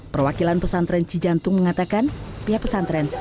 perwakilan pesantren cijantung mengatakan pihak pesantren